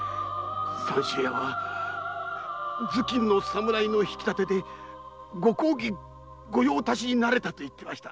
三州屋は頭巾の侍の引き立てでご公儀御用達になれたと言っていました。